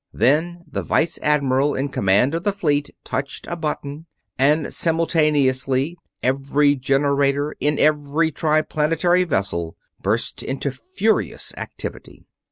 Then the vice admiral in command of the fleet touched a button, and simultaneously every generator in every Triplanetary vessel burst into furious activity.